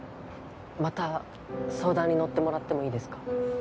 また相談に乗ってもらってもいいですか？